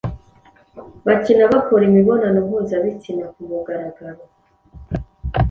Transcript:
bakina bakora imibonano mpuzabitsina kumugaragaro